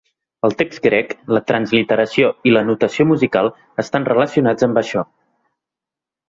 El text grec, la transliteració i la notació musical estan relacionats amb això.